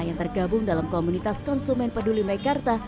yang tergabung dalam komunitas konsumen peduli mekarta